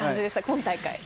今大会。